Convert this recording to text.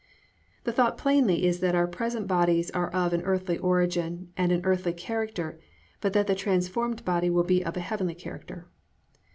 "+ The thought plainly is that our present bodies are of an earthly origin and an earthly character, but that the transformed body will be of a heavenly character.